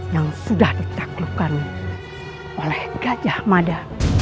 yang sudah ditaklukkan oleh gajah mada